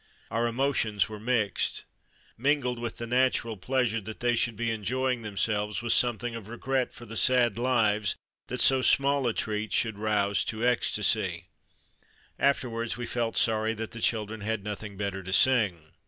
Our emotions were mixed. Mingled with the natural pleasure that they should be enjoying themselves was something of regret for the sad lives that so small a 76 THE DAY BEFORE YESTERDAY treat should rouse to ecstasy. Afterwards we felt sorry that the children had nothing better to sing.